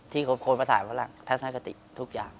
ที่เขาโครนภาษาฝรั่งทัศนกติทุกอย่าง